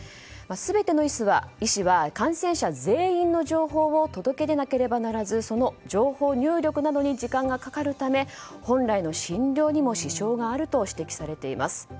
全ての医師は感染者全員の情報を届け出なければならずその情報入力などに時間がかかるため本来の診療にも支障があると指摘されています。